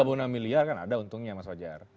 untung tiga puluh enam miliar kan ada untungnya mas wajar